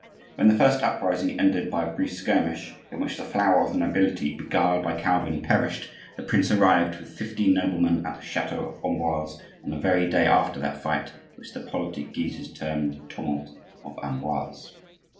When the first uprising ended by a brief skirmish, in which the flower of the nobility beguiled by Calvin perished, the prince arrived, with fifty noblemen, at the chateau of Amboise on the very day after that fight, which the politic Guises termed "the Tumult of Amboise."